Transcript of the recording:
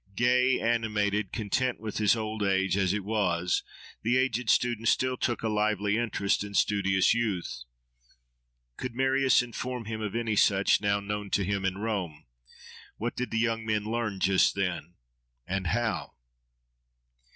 Gay, animated, content with his old age as it was, the aged student still took a lively interest in studious youth.—Could Marius inform him of any such, now known to him in Rome? What did the young men learn, just then? and how?